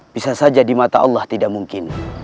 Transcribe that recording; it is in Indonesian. bisa saja di mata allah tidak mungkin